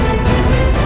tolong dok kenapa dia dok